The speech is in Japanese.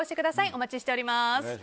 お待ちしております。